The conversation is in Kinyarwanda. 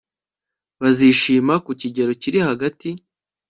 bazishima ku kigero kiri hagati